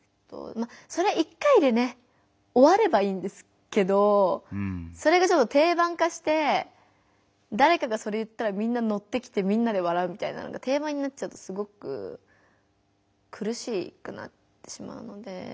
それ１回でねおわればいいんですけどそれが定番化してだれかがそれ言ったらみんなのってきてみんなで笑うみたいなのが定番になっちゃうとすごくくるしくなってしまうので。